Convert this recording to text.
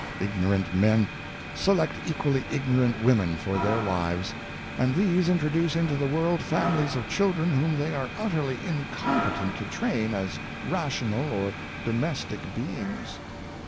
Ignorant men select equally ignorant women for their wives; and these introduce into the world families of children whom they are utterly incompetent to train as rational or domestic beings.